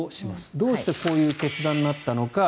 どうしてこういう決断になったのか。